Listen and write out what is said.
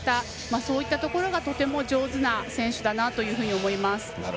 そういったところがとても上手な選手だなと思います。